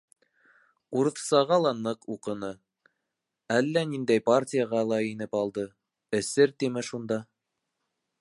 Урыҫсаға ла ныҡ уҡыны, әллә ниндәй партияға ла инеп алды, эсер тиме шунда.